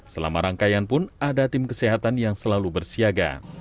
selama rangkaian pun ada tim kesehatan yang selalu bersiaga